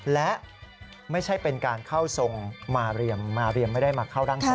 และไม่ใช่เป็นการเข้าทรงมาเรียมมาเรียมไม่ได้มาเข้าร่างกาย